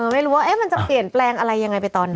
ไม่รู้ว่ามันจะเปลี่ยนแปลงอะไรยังไงไปตอนนั้น